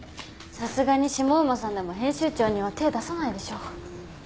さすがに下馬さんでも編集長には手出さないでしょ。